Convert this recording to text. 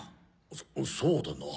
そそうだな。